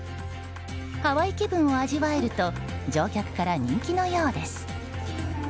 ハワイ気分を味わえると乗客から人気のようです。